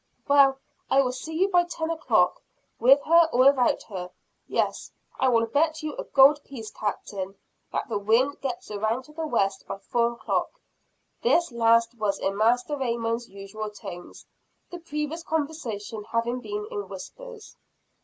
"Well, I will see you by ten o'clock with her or without her Yes, I will bet you a gold piece, Captain, that the wind gets around to the west by four o'clock." This last was in Master Raymond's usual tones the previous conversation having been in whispers.